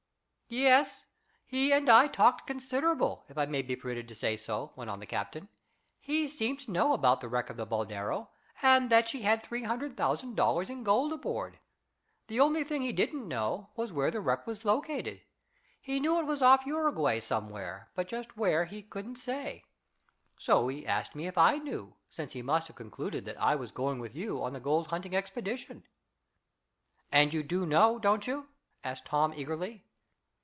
"Yes, he and I talked considerable, if I may be permitted to say so," went on the captain. "He seemed to know about the wreck of the Boldero, and that she had three hundred thousand dollars in gold aboard. The only thing he didn't know was where the wreck was located. He knew it was off Uruguay somewhere, but just where he couldn't say. So he asked me if I knew, since he must have concluded that I was going with you on the gold hunting expedition." "And you do know, don't you?" asked Tom eagerly.